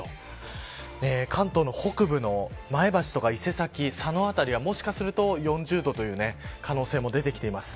関東の北部の前橋とか伊勢崎佐野辺りは、もしかすると４０度という可能性も出てきています。